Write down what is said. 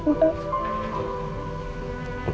mama lagi merasakan buku buku